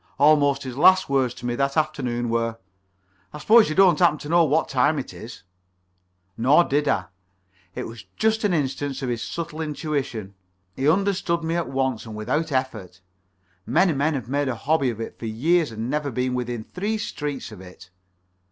Almost his last words to me that afternoon were: "I suppose you don't happen to know what the time is?" Nor did I. It was just an instance of his subtle intuition. He understood me at once and without effort. Many men have made a hobby of it for years and never been within three streets of it.